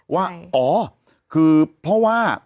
ว่าอ๋อคือเพราะว่า